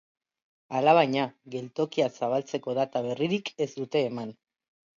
Alabaina, geltokia zabaltzeko data berririk ez dute eman.